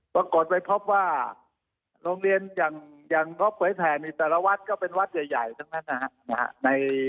ปรากฏไปพบว่าโรงเรียนอย่างงบเผยแผงนี่แต่ละวัดก็เป็นวัดใหญ่ทั้งนั้นนะฮะ